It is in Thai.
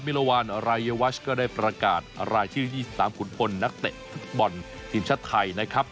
รวรรณรายวัชก็ได้ประกาศรายชื่อ๒๓ขุนพลนักเตะฟุตบอลทีมชาติไทยนะครับ